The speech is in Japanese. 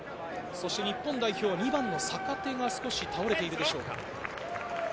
日本代表は２番の坂手が少し倒れているでしょうか。